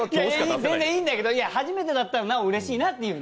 全然いいんだけど初めてだったらなおうれしいなっていう。